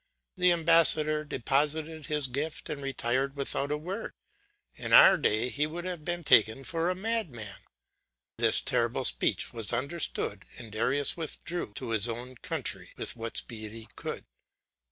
The ambassador deposited this gift and retired without a word. In our days he would have been taken for a madman. This terrible speech was understood, and Darius withdrew to his own country with what speed he could.